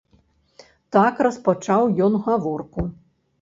Так распачаў ён гаворку.